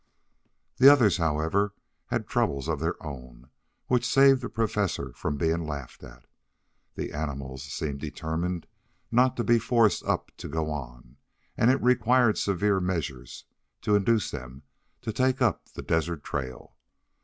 The others, however, had troubles of their own, which saved the Professor from being laughed at. The animals seemed determined not to be forced to go on, and it required severe measures to induce them to take up the desert trail.